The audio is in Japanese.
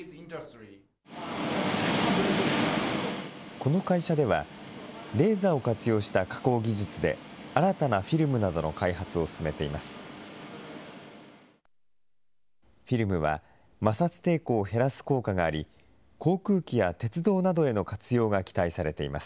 この会社では、レーザーを活用した加工技術で、新たなフィルムなどの開発を進めています。